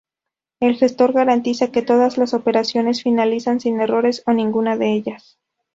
El gestor garantiza que todas las operaciones finalizan sin errores o ninguna de ellas.